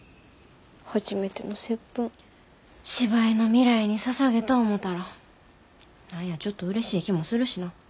初めてのせっぷん芝居の未来にささげた思たら何やちょっとうれしい気もするしな。